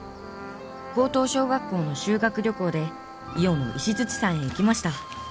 高等小学校の修学旅行で伊予の石山へ行きました。